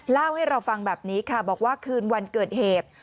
เล่าให้เราฟังแบบนี้ค่ะบอกว่าคืนวันเกิดเหตุ